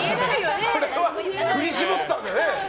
それは振り絞ったんだよね。